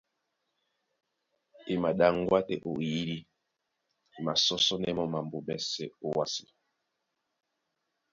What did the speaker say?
E maɗaŋgwá tɛ́ ó ó eyídí, e masɔ́sɔ́nɛ́ mɔ́ mambo mɛ́sɛ̄ ówásē.